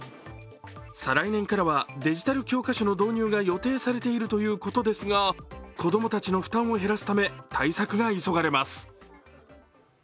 再来年からはデジタル教科書の導入が予定されているということですが子供たちの負担を減らすため対策が急がれます。